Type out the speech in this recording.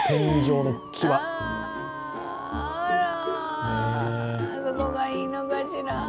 あら、そこがいいのかしら。